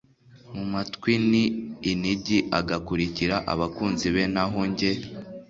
mu matwi n inigi agakurikira abakunzi be naho jye